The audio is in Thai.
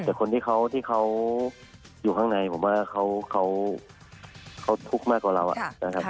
แต่คนที่เขาอยู่ข้างในผมว่าเขาทุกข์มากกว่าเรานะครับ